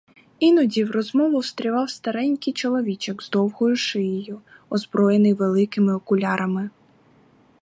Іноді в розмову встрявав старенький чоловічок з довгою шиєю, озброєний великими окулярами.